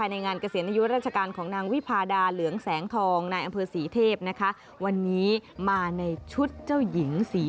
แต่แปลงตัวไม่เหมือนท่านอื่นอยู่คนเดียว